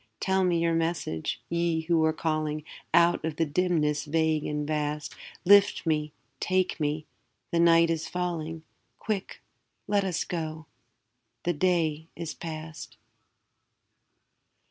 Tell me your message, Ye who are calling Out of the dimness vague and vast; Lift me, take me, the night is falling; Quick, let us go, the day is past.